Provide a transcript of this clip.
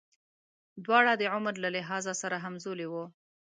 دواړه د عمر له لحاظه سره همزولي وو.